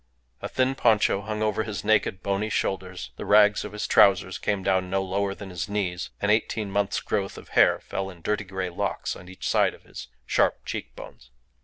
A thin poncho hung over his naked, bony shoulders; the rags of his trousers came down no lower than his knees; an eighteen months' growth of hair fell in dirty grey locks on each side of his sharp cheek bones.